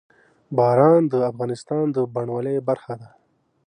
باران د افغانستان د بڼوالۍ برخه ده.